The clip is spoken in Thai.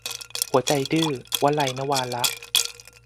หัวใจดื้อ - วลัย นวาระ